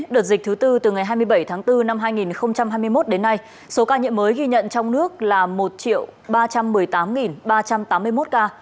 đợt dịch thứ tư từ ngày hai mươi bảy tháng bốn năm hai nghìn hai mươi một đến nay số ca nhiễm mới ghi nhận trong nước là một ba trăm một mươi tám ba trăm tám mươi một ca